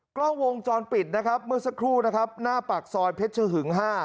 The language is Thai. กล้องวงจรปิดนะครับเมื่อสักครู่นะครับหน้าปากซอยเพชรชะหึง๕